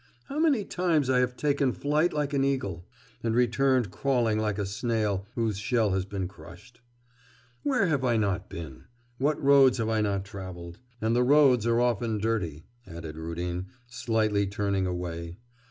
How many times I have taken flight like an eagle and returned crawling like a snail whose shell has been crushed!... Where have I not been! What roads have I not travelled!... And the roads are often dirty,' added Rudin, slightly turning away.